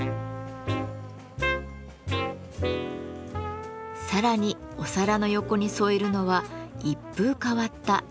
さらにお皿の横に添えるのは一風変わったメキシコ産の塩。